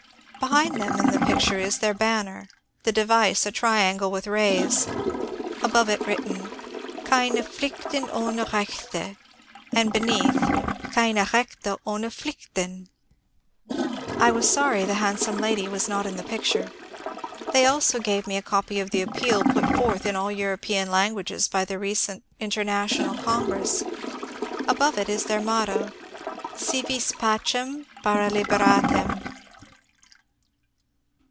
Behind them in the picture is their banner, the device a triangle with rays ; above it written Keine Pjlichten ohne Hechte ; and beneath, Keine Hechte ohne Pjlichten. I was sorry the handsome lady was not in the picture. They also gave me a copy of the appeal put forth in all European languages by the recent International Congress. Above it is their motto : Si vis pacem^ para libertatem.